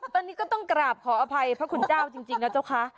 ตอนนี้ก็ต้องกราบขออภัยพระคุณเจ้าจริงนะเจ้าคะ